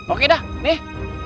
oke dah nih